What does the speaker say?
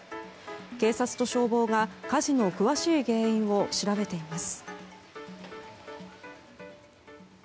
警察と消防が、火事の詳しい原因を調べています。